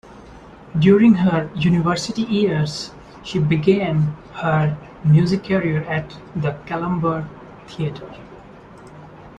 During her university years, she began her music career at the Kalambur theater.